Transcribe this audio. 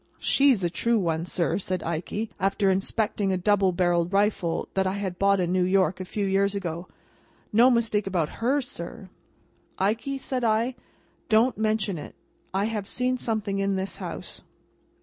"She's a true one, sir," said Ikey, after inspecting a double barrelled rifle that I bought in New York a few years ago. "No mistake about her, sir." "Ikey," said I, "don't mention it; I have seen something in this house."